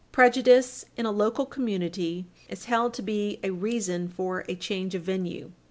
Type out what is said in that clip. Prejudice in a local community is held to be a reason for a change of venue.